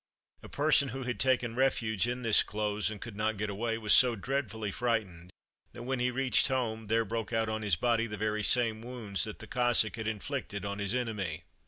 A person who had taken refuge in this close and could not get away, was so dreadfully frightened, that when he reached home, there broke out on his body the very same wounds that the Cossack had inflicted on his enemy!